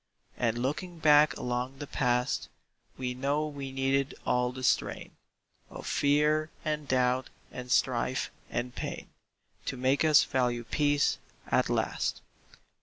And looking back along the past, We know we needed all the strain Of fear and doubt and strife and pain To make us value peace, at last.